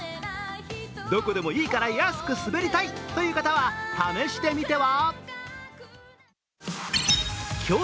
どこでもいいから安く滑りたいという方は試してみては。